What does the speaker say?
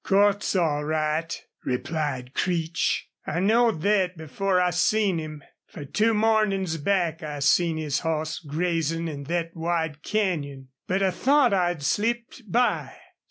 "Cordts all right," replied Creech. "I knowed thet before I seen him. Fer two mornin's back I seen his hoss grazin in thet wide canyon. But I thought I'd slipped by.